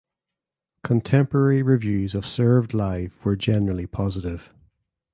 Contemporary reviews of "Served Live" were generally positive.